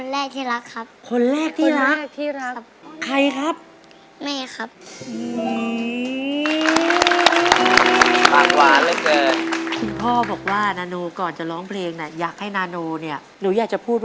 ลูกไปบอกลูกก็เสียหลักเหมือนกันลูกไอหนู